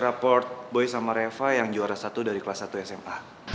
raport boy sama reva yang juara satu dari kelas satu sma